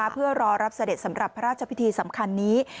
เพื่อรอรับเสด็จสำหรับพระราชพิธีสำคัญนี้